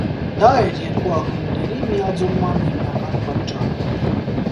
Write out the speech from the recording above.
Դա էր երկու ակումբների միաձուլման հիմնական պատճառը։